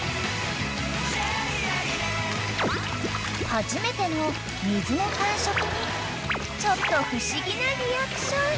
［初めての水の感触にちょっと不思議なリアクション］